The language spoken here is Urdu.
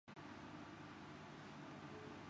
ہمیں اختلاف کو علم ہی کے دائرے میں رکھنا چاہیے۔